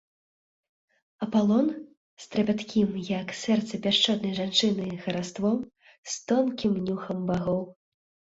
Апалон, з трапяткім, як сэрца пяшчотнай жанчыны, хараством, з тонкім нюхам багоў!